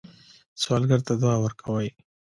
سوالګر ته دعا ورکوئ